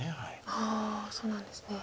ああそうなんですね。